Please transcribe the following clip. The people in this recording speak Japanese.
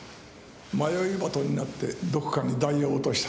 迷い鳩になってどこかにダイヤを落とした。